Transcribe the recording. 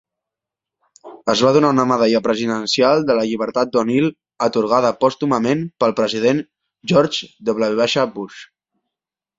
Es va donar una medalla presidencial de la llibertat d'O'Neil atorgada pòstumament pel president George W. Bush.